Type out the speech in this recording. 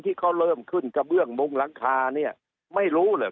ที่เขาเริ่มขึ้นกระเบื้องมุงหลังคาเนี่ยไม่รู้เหรอ